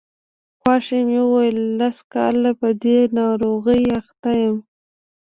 خواښې مې وویل زه لس کاله په دې ناروغۍ اخته یم.